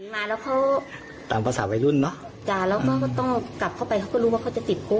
มาแล้วเขาตามภาษาวัยรุ่นเนอะจ้ะแล้วก็ต้องกลับเข้าไปเขาก็รู้ว่าเขาจะติดคุก